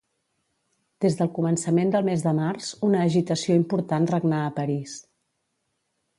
Des del començament del mes de març, una agitació important regnà a París.